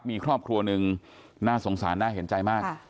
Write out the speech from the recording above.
มีครอบครัวหนึ่งน่าสงสารน่าเห็นใจมาก